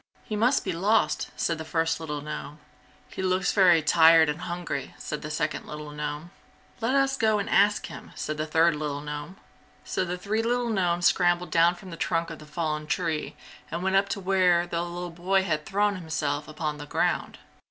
"He must be lost!" said the first little gnome. "He looks very tired and hungry!" said the second little gnome. "Let us go and ask him!" said the third little gnome. So the three little gnomes scrambled down from the trunk of the fallen tree and went up to where the little boy had thrown himself upon the ground.